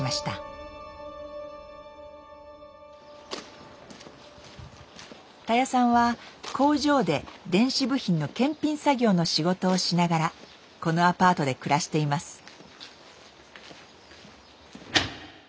たやさんは工場で電子部品の検品作業の仕事をしながらこのアパートで暮らしています。